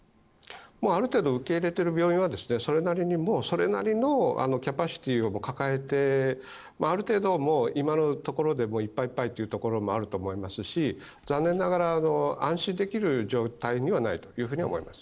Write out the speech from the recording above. ある程度受け入れている病院はそれなりのキャパシティーを抱えてある程度、今のところでいっぱいいっぱいというところもあると思いますし残念ながら安心できる状態にはないと思います。